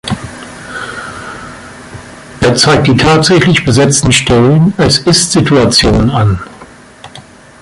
Er zeigt die tatsächlich besetzten Stellen als Ist-Situation an.